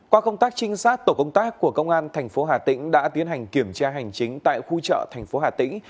qua công tác trinh sát tổ công tác của công an thành phố hà tĩnh đã tiến hành kiểm tra hành chính tại khu chợ thành phố hà tĩnh